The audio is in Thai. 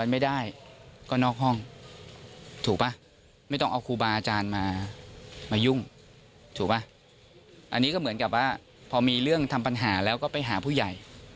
พี่เป็นลูกผู้ชายที่หย่ามไม่ได้